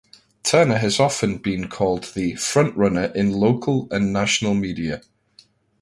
Turner has often been called the "frontrunner" in local and national media.